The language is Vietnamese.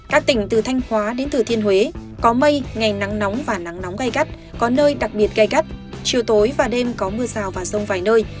các tỉnh từ thanh hóa đến thừa thiên huế có mây ngày nắng nóng và nắng nóng gai gắt có nơi đặc biệt gai gắt chiều tối và đêm có mưa rào và rông vài nơi